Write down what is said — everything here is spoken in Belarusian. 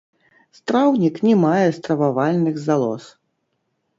Страўнік не мае стрававальных залоз.